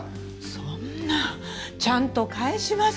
そんなちゃんと返します。